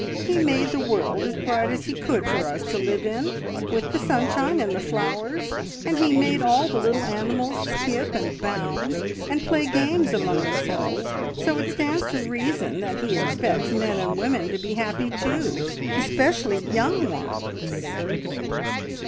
He made the world as bright as He could for us to live in, with the sunshine and the flowers, and He made all the little animals skip and bound, and play games among themselves, so it stands to reason that He expects men and women to be happy too, especially young ones."